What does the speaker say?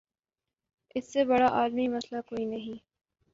اس سے بڑا عالمی مسئلہ کوئی نہیں۔